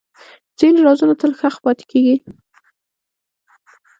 ځینې رازونه تل ښخ پاتې کېږي.